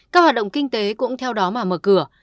các hoạt động kinh tế cũng có